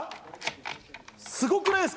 すごくないですか？